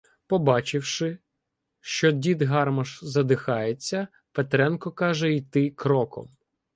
Побачивши, що дід Гармаш задихається, Петренко каже йти кроком.